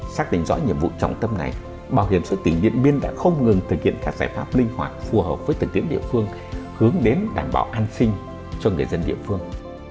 xác định rõ nhiệm vụ trọng tâm này bảo kiểm sở tự nguyện biên đã không ngừng thực hiện các giải pháp linh hoạt phù hợp với thực tiễn địa phương hướng đến đảm bảo an sinh cho người dân địa phương